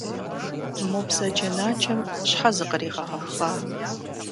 Мо бзаджэнаджэм щхьэ зыкъригъэгъэпцӏа?